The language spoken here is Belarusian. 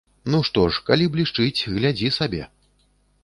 Ну што ж, калі блішчыць, глядзі сабе.